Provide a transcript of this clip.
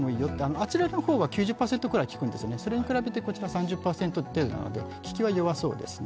あちらのほうは９０％ぐらい効くんですよね、それに比べてこちらは３０％程度なので効きは弱そうですね。